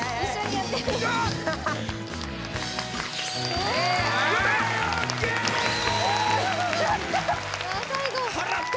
やった！